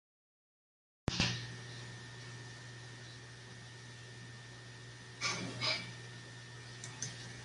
El presente tratado incluía tres protocolos secretos.